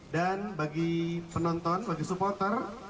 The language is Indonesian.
dan bagi penonton bagi supporter